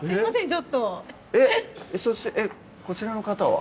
ちょっとえっそしてこちらの方は？